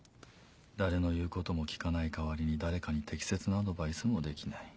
誰の言うことも聞かない代わりに誰かに適切なアドバイスもできない。